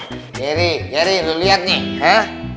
geri geri lu liat nih